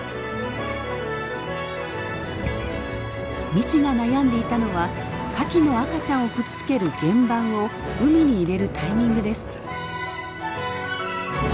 未知が悩んでいたのはカキの赤ちゃんをくっつける原盤を海に入れるタイミングです。